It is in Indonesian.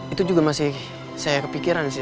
itu juga masih saya kepikiran sih